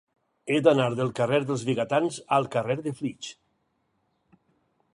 He d'anar del carrer dels Vigatans al carrer de Flix.